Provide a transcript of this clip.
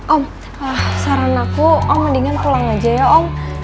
om saran aku om mendingan pulang aja ya om